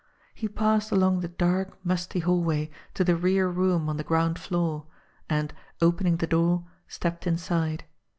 He passed along the dark, musty hallway to the rear room on the ground floor, and, opening the door, stepped inside.